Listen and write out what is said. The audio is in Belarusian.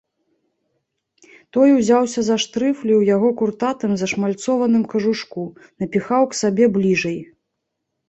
Той узяўся за штрыфлі ў яго куртатым, зашмальцованым кажушку, напіхаў к сабе бліжай.